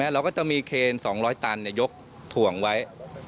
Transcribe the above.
เราก็จะมีเคน๒๐๐ตันยกถ่วงไว้